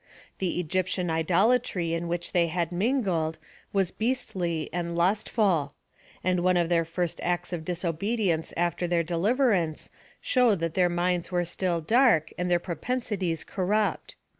The Egyptian idolatry in which they had mingled, was beastly and lustful ; and one of their first acts of disobedience after their deliver ance, showed that their n.inds were still dark, and their propensities corrupt.